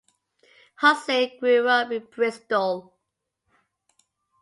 Hussey grew up in Bristol.